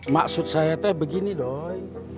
maksud saya teh begini dong